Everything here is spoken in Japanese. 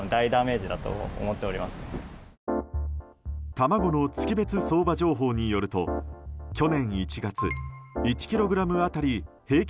卵の月別相場情報によると去年１月、１ｋｇ当たり平均